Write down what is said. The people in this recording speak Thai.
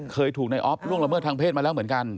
เคยถูกในออฟล่วงละเมิดทางเพศมาแล้วเหมือนกัน